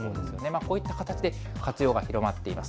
こういった形で、活用が広まっています。